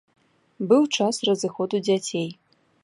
Быў час разыходу дзяцей.